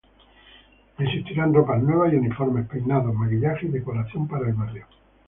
Existirán ropas nuevas y uniformes, peinados, maquillajes y decoración para el barrio.